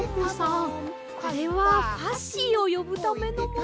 これはファッシーをよぶためのものでして。